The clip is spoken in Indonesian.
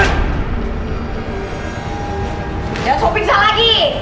jangan sopin salah lagi